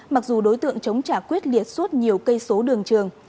mặc dù đối tượng chống trả quyết liệt suốt nhiều cây số đường trường